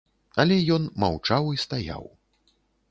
Але ён маўчаў і стаяў.